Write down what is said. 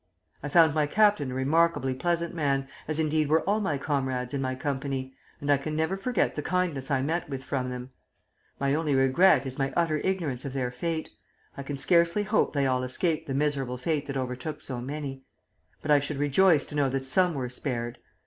I found my captain a remarkably pleasant man, as indeed were all my comrades in my company, and I can never forget the kindness I met with from them. My only regret is my utter ignorance of their fate. I can scarcely hope they all escaped the miserable fate that overtook so many; but I should rejoice to know that some were spared.